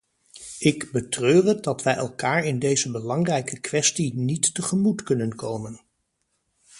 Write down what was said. Ik betreur het dat wij elkaar in deze belangrijke kwestie niet tegemoet kunnen komen.